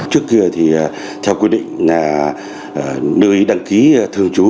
trước kia thì theo quy định là nơi đăng ký thường chú